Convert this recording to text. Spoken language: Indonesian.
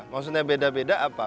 maksudnya beda beda apa